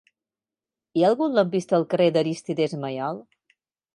Hi ha algun lampista al carrer d'Arístides Maillol?